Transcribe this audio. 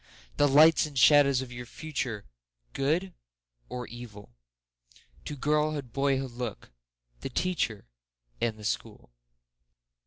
The lights and shadows of your future—good or evil? To girlhood, boyhood look—the Teacher and the School.